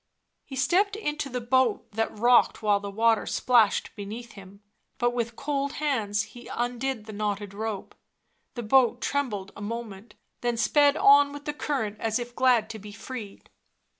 He stepped into the boat that rocked while the water splashed beneath him ; but with cold hands he undid the knotted rope. The boat trembled a moment, then sped on with the current as if glad to be freed.